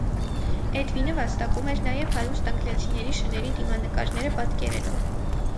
Էդվինը վաստակում էր նաև հարուստ անգլիացիների շների դիմանկարները պատկերելավ։